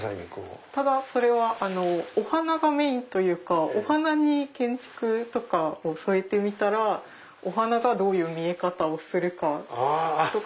ただそれはお花がメインというかお花に建築とかを添えてみたらお花がどういう見え方をするかとか。